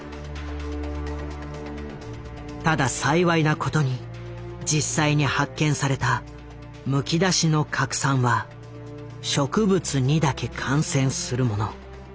ただ幸いなことに実際に発見された「むきだしの核酸」は植物にだけ感染するもの。